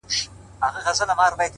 یا بارېږه زما له سرایه زما له کوره.